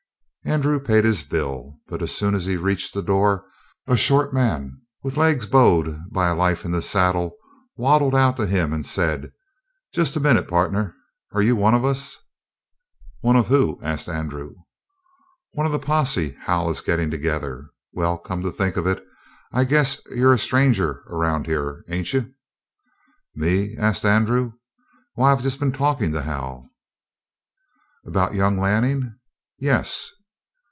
Andrew paid his bill, but as he reached the door a short man with legs bowed by a life in the saddle waddled out to him and said: "Just a minute, partner. Are you one of us?" "One of who?" asked Andrew. "One of the posse Hal is getting together? Well, come to think of it, I guess you're a stranger around here, ain't you?" "Me?" asked Andrew. "Why, I've just been talking to Hal." "About young Lanning?" "Yes."